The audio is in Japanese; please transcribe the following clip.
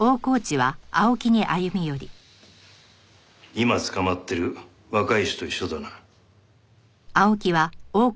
今捕まってる若い衆と一緒だな。